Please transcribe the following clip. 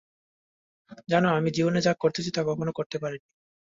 জানো, আমি জীবনে যা করতে চেয়েছি তা কখনই করতে পারিনি।